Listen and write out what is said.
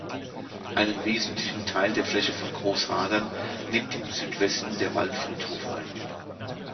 Einen wesentlichen Teil der Fläche von Großhadern nimmt im Südwesten der Waldfriedhof ein.